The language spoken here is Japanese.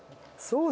そう